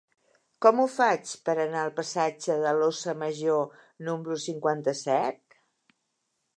Com ho faig per anar al passatge de l'Óssa Major número cinquanta-set?